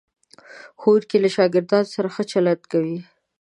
ښوونکی له شاګردانو سره ښه چلند کوي.